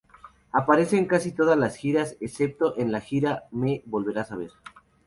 Aparece en casi todas las giras, excepto en la Gira Me Verás Volver.